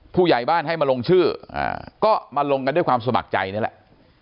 ผู้ใหญ่บ้านให้มาลงชื่อก็มาลงกันด้วยความสมัครใจนี่แหละ